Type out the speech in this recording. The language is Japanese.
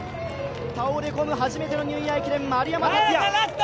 倒れ込む、初めてのニューイヤー駅伝、丸山竜也。